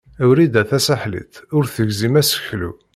Wrida Tasaḥlit ur tegzim aseklu.